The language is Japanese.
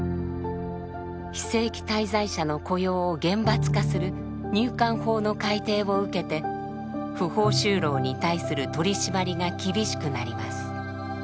非正規滞在者の雇用を厳罰化する入管法の改定を受けて不法就労に対する取締りが厳しくなります。